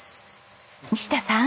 西田さん。